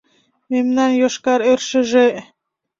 Мемнан йошкар ӧршыжӧ